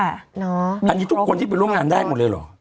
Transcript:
อันนี้ทุกคนที่ไปร่วมงานได้หมดเลยเหรอ